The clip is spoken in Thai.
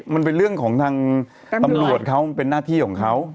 มันเป็นเรื่องของทางตำรวจเขามันเป็นหน้าที่ของเขา